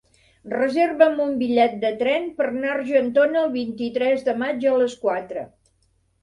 Reserva'm un bitllet de tren per anar a Argentona el vint-i-tres de maig a les quatre.